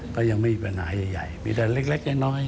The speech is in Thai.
ก็ยังไม่มีปัญหาใหญ่มีแต่เล็กน้อย